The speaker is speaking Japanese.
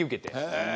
へえ。